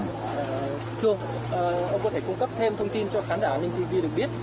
thưa ông ông có thể cung cấp thêm thông tin cho khán giả linh tv được biết